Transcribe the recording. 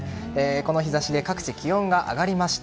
この日差しで各地で気温が上がりました。